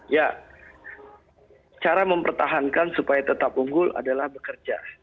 ya cara mempertahankan supaya tetap unggul adalah bekerja